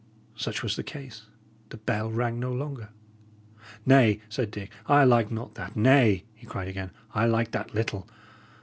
Such was the case. The bell rang no longer. "Nay," said Dick, "I like not that. Nay," he cried again, "I like that little.